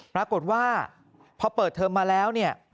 ปรากฏว่าพอเปิดเทอมมาแล้ว